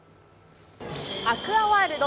アクアワールド